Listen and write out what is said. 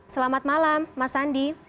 selamat malam mas sandi